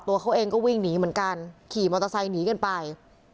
ตัวเขาเองก็วิ่งหนีเหมือนกันขี่มอเตอร์ไซค์หนีกันไป